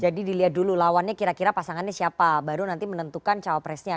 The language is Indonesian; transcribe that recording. jadi dilihat dulu lawannya kira kira pasangannya siapa baru nanti menentukan cawapresnya